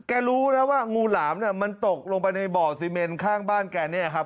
รู้นะว่างูหลามเนี่ยมันตกลงไปในบ่อซีเมนข้างบ้านแกเนี่ยครับ